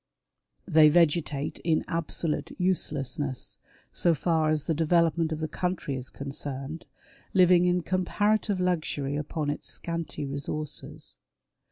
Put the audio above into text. They vegetate in absolute uselessness, so far as the development of the country is concerned, living in comparative luxury upon its scanty resources.